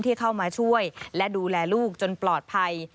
ที่เข้ามาช่วยและดูแลลูกจนปลอดภัย